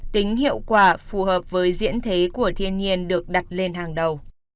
tính hiệu quả phù hợp với diễn thế của thiên nhiên được đặt lên hàng đầu